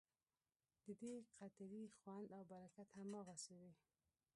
ددې قطرې خوند او برکت هماغسې دی.